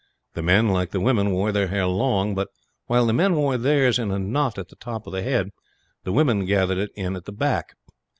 The men, like the women, wore their hair long but, while the men wore theirs in a knot at the top of the head, the women gathered it in at the back.